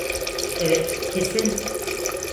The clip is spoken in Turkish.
Evet, kesin.